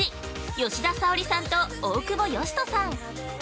吉田沙保里さんと大久保嘉人さん。